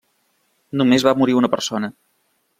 Només va morir una persona.